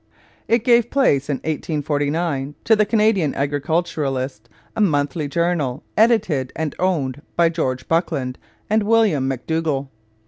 It gave place in 1849 to the Canadian Agriculturist, a monthly journal edited and owned by George Buckland and William McDougall.